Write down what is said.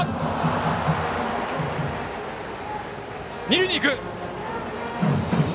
二塁に行く！